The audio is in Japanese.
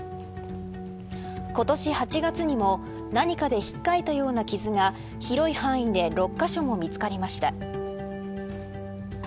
今年８月にも何かで引っかいたような傷が広い範囲で６カ所も見つかりました。